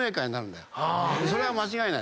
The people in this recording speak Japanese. それは間違いない。